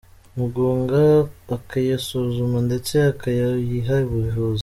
muganga akayisuzuma ndetse akayiha ubuvuzi.